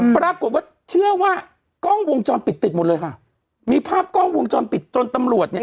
ปรากฏว่าเชื่อว่ากล้องวงจรปิดติดหมดเลยค่ะมีภาพกล้องวงจรปิดจนตำรวจเนี่ย